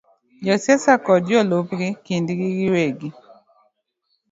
Josiasa kod jolupgi kindgi giwegi,